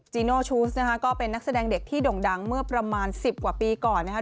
โนชูสนะคะก็เป็นนักแสดงเด็กที่ด่งดังเมื่อประมาณ๑๐กว่าปีก่อนนะคะ